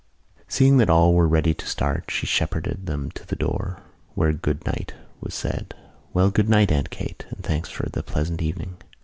Seeing that all were ready to start she shepherded them to the door, where good night was said: "Well, good night, Aunt Kate, and thanks for the pleasant evening."